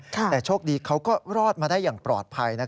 แต่โชคดีเขาก็รอดมาได้อย่างปลอดภัย